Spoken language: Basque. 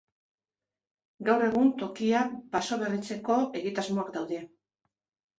Gaur egun tokia basoberritzeko egitasmoak daude.